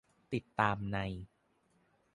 ติดตามใน